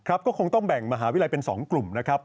ก็คงต้องแบ่งมหาวิทยาลัยเป็น๒กลุ่มนะครับ